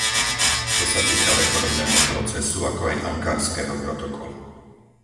To sa týka reformného procesu, ako aj Ankarského protokolu.